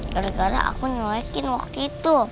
gara gara aku nyelekin waktu itu